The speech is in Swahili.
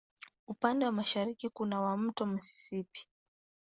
Upande wa mashariki kuna wa Mto Mississippi.